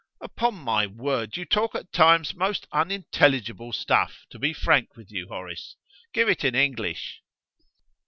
"Upon my word, you talk at times most unintelligible stuff, to be frank with you, Horace. Give it in English."